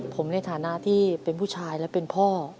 ผมในฐานะที่เป็นผู้ชายและเป็นพ่อ